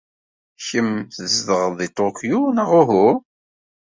Kemm tzedɣed deg Tokyo, neɣ uhu?